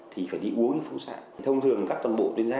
thì phải đi uống những phong sạn